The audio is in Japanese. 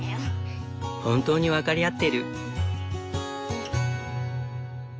本当に分かり合ってる。